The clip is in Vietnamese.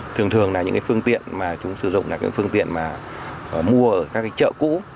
thường thường là những cái phương tiện mà chúng sử dụng là những cái phương tiện mà mua ở các cái chợ cũ